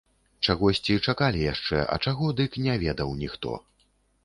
Чагосьці чакалі яшчэ, а чаго, дык не ведаў ніхто.